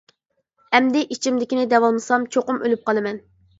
ئەمدى ئىچىمدىكىنى دەۋالمىسام چوقۇم ئۆلۈپ قالىمەن.